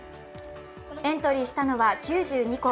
エントリーしたのは９２校。